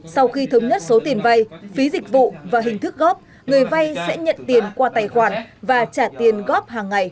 sau khi thống nhất số tiền vay phí dịch vụ và hình thức góp người vay sẽ nhận tiền qua tài khoản và trả tiền góp hàng ngày